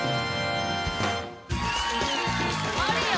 マリア？